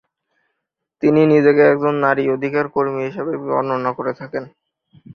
তিনি নিজেকে একজন নারী অধিকার কর্মী হিসাবে বর্ণনা করে থাকেন।